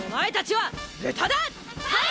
はい！